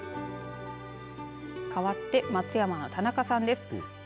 かわって松山の田中さんです。